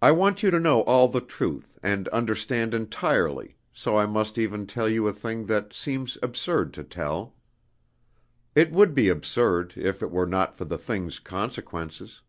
"I want you to know all the truth and understand entirely, so I must even tell you a thing that seems absurd to tell. It would be absurd, if it were not for the thing's consequences.